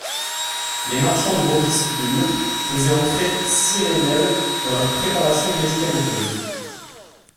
Les marchands-droguistes de Lure faisaient entrer cire et miel dans leurs préparations médicamenteuses.